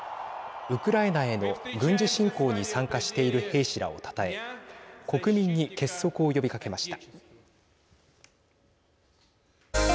ウクライナへの軍事侵攻に参加している兵士らをたたえ国民に結束を呼びかけました。